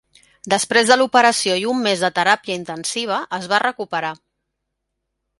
Després de l'operació i un mes de teràpia intensiva, es va recuperar.